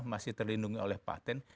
masih terlindungi oleh patent